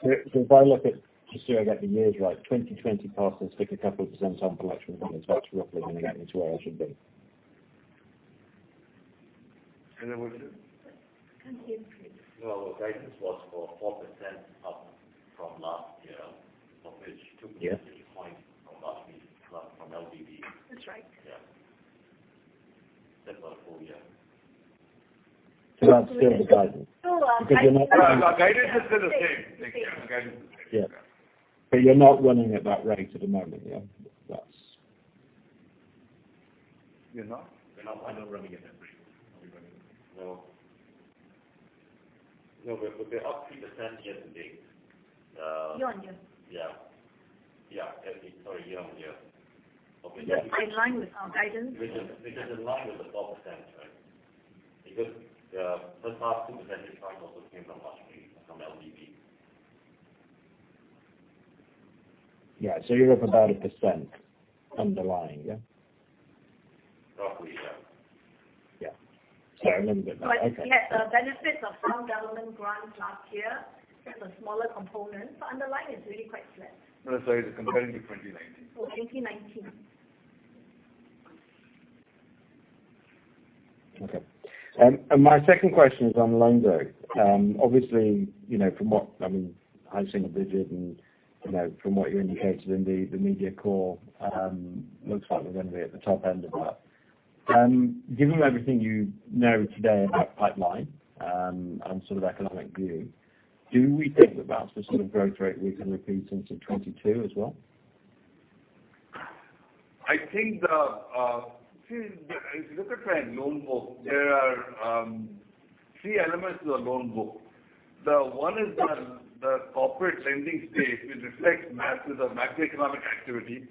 Correct. If I look at, just so I get the years right, 2020 passes, take a couple of percent on collection roughly getting to where it should be. Anna, what's it? Thank you. Well, the guidance was for 4% up from last year. Yeah a big point from last week from LVB. That's right. Yeah. That's for the full year. That's still the guidance. Still last- Our guidance is still the same. Yeah. You're not running at that rate at the moment, yeah? We're not? We're not running at that rate. No. No, we're up 3% year to date. Year-on-year. Yeah. Sorry, year-on-year. Which is in line with our guidance. Which is in line with the 4%, right? The first half 2% also came from last week from LVB. Yeah. you're up about a % underlying, yeah? Roughly, yeah. Yeah. Sorry, a little bit. Okay. Yes. We had the benefits of Government Credit/Wage Grant last year. It was a smaller component, underlying is really quite flat. No, sorry. It's comparing to 2019. Oh, 2019. Okay. My second question is on loan book. Obviously, from what I've seen the digit and from what you indicated in the media call, looks like we're going to be at the top end of that. Given everything you know today about pipeline, and sort of economic view, do we think that that's the sort of growth rate we can repeat into 2022 as well? I think if you look at our loan book, there are three elements to the loan book. One is the corporate lending space, which reflects matters of macroeconomic activity.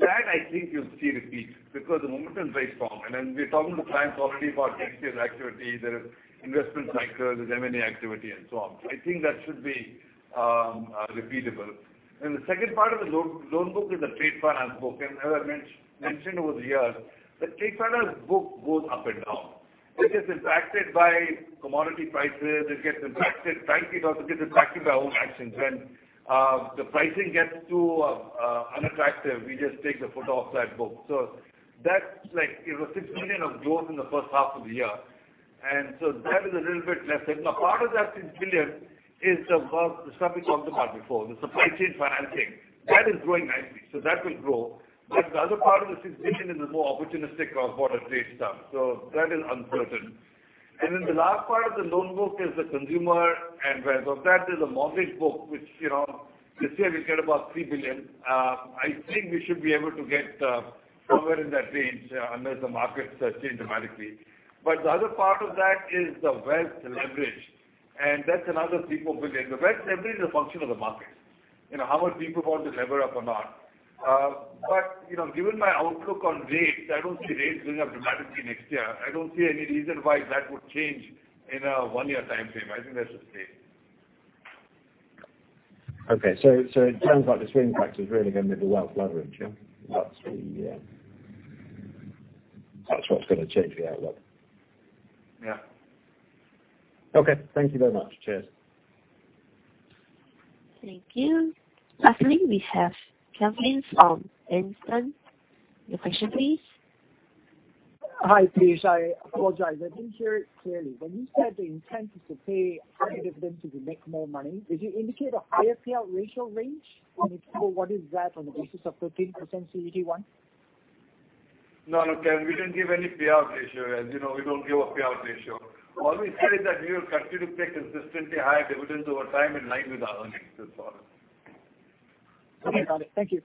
That I think you'll see repeat, because the momentum is very strong. We're talking to clients already for next year's activity. There is investment cycles, there's M&A activity, and so on. I think that should be repeatable. The second part of the loan book is the trade finance book. As I've mentioned over the years, the trade finance book goes up and down, which is impacted by commodity prices. It also gets impacted by our own actions. When the pricing gets too unattractive, we just take the foot off that book. That's like it was 6 billion of growth in the first half of the year. That is a little bit less. Part of that 6 billion is the stuff we talked about before, the supply chain financing. That is growing nicely, so that will grow. The other part of the SGD 6 billion is more opportunistic cross-border trade stuff. That is uncertain. The last part of the loan book is the consumer and wealth. Of that is a mortgage book, which this year we care about 3 billion. I think we should be able to get somewhere in that range, unless the markets change dramatically. The other part of that is the wealth leverage, and that's another SGD 3 billion-SGD 4 billion. The wealth leverage is a function of the market. How much people want to lever up or not. Given my outlook on rates, I don't see rates going up dramatically next year. I don't see any reason why that would change in a one-year timeframe. I think that's the same. Okay. It sounds like the swing factor is really going to be the wealth leverage, yeah? That's what's going to change the outlook. Yeah. Okay. Thank you very much. Cheers. Thank you. Lastly, we have Kevin from Bernstein. Your question, please. Hi, Piyush. I apologize, I didn't hear it clearly. When you said the intent is to pay higher dividends if you make more money, did you indicate a higher payout ratio range? And if so, what is that on the basis of 13% CET1? No, Kevin, we didn't give any payout ratio. You know, we don't give a payout ratio. All we said is that we will continue to pay consistently high dividends over time in line with our earnings. That's all. Okay, got it. Thank you.